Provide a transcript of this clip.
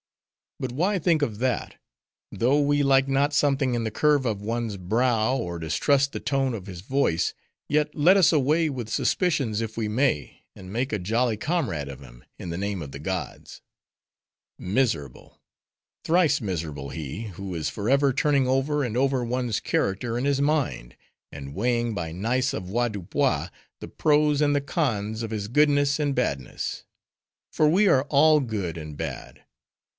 But why think of that? Though we like not something in the curve of one's brow, or distrust the tone of his voice; yet, let us away with suspicions if we may, and make a jolly comrade of him, in the name of the gods. Miserable! thrice miserable he, who is forever turning over and over one's character in his mind, and weighing by nice avoirdupois, the pros and the cons of his goodness and badness. For we are all good and bad.